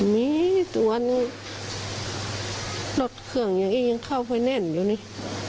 มีตัวนี้หลดเครื่องยังเข้าไปแน่นอยู่นี่